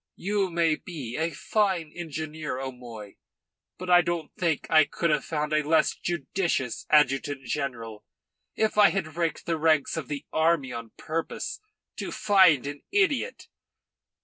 You may be a fine engineer, O'Moy, but I don't think I could have found a less judicious adjutant general if I had raked the ranks of the army on purpose to find an idiot.